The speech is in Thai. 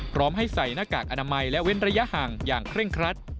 พร้อมให้ใส่หน้ากากอนามัยและเว้นระยะห่างอย่างเคร่งครัด